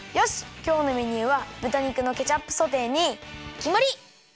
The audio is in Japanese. きょうのメニューはぶた肉のケチャップソテーにきまり！